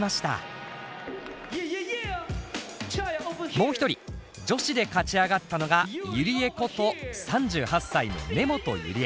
もう一人女子で勝ち上がったのがＹＵＲＩＥこと３８歳の根本友理恵。